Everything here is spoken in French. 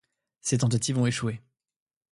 Ces tentatives ont échoué.